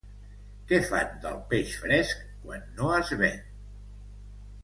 Què fan del peix fresc quan no es ven?